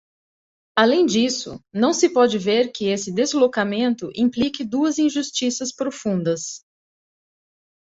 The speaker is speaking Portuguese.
Além disso, não se pode ver que esse deslocamento implique duas injustiças profundas.